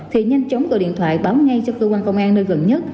thì nhanh chóng gọi điện thoại báo ngay cho cơ quan công an nơi gần nhất